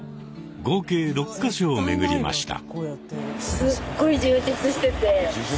合計６か所を巡りました。